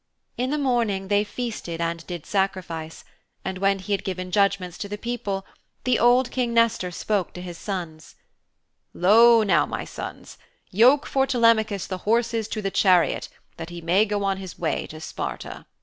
In the morning they feasted and did sacrifice, and when he had given judgments to the people, the old King Nestor spoke to his sons, 'Lo, now, my sons. Yoke for Telemachus the horses to the chariot that he may go on his way to Sparta.'